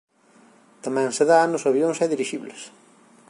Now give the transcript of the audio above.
Tamén se dá nos avións e dirixibles.